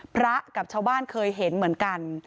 พระกับชาวบ้านเคยเห็นเหมือนกัน